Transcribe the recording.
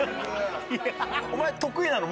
お前得意なの？